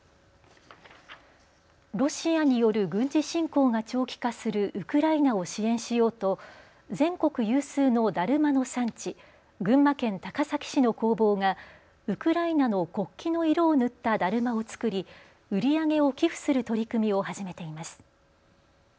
ロシアによる軍事侵攻が長期化するウクライナを支援しようと全国有数のだるまの産地、群馬県高崎市の工房がウクライナの国旗の色を塗っただるまを作り売り上げを寄付する取り組みを始めています。